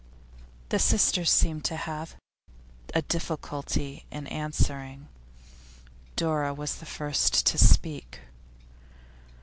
The sisters seemed to have a difficulty in answering. Dora was the first to speak.